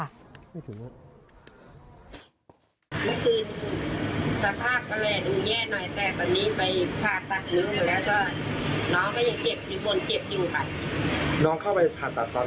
นี่ล่ะค่ะยายก็บอกว่าอยากให้เจ้าของระเบิดตัวนี้ก็มารับผิดชอบด้วยนะ